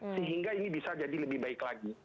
sehingga ini bisa jadi lebih baik lagi